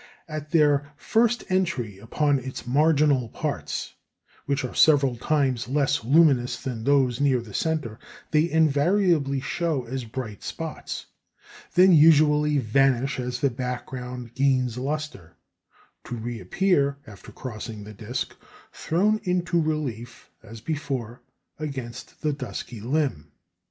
At their first entry upon its marginal parts, which are several times less luminous than those near the centre, they invariably show as bright spots, then usually vanish as the background gains lustre, to reappear, after crossing the disc, thrown into relief, as before, against the dusky limb.